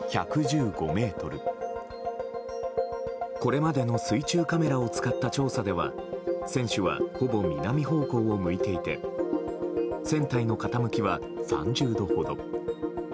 これまでの水中カメラを使った調査では船首は、ほぼ南方向を向いていて船体の傾きは３０度ほど。